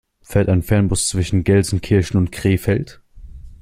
Fährt ein Fernbus zwischen Gelsenkirchen und Krefeld?